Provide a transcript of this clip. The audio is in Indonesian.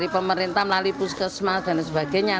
dari pemerintah melalui puskesmas dan sebagainya